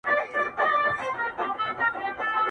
د سړي په دې وینا قاضي حیران سو,